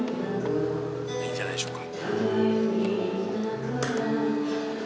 いいんじゃないでしょうか。